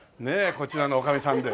こちらのおかみさんで。